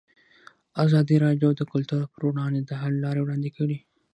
ازادي راډیو د کلتور پر وړاندې د حل لارې وړاندې کړي.